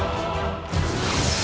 ini mah aneh